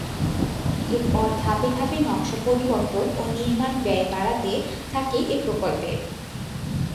এর পরে ধাপে ধাপে নকশা পরিবর্তন ও নির্মাণ ব্যয় বাড়তে থাকে এ প্রকল্পের।